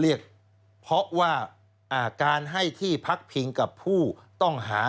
เรียกเพราะว่าการให้ที่พักพิงกับผู้ต้องหา